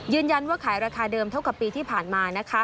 ยืนยันว่าขายราคาเดิมเท่ากับปีที่ผ่านมา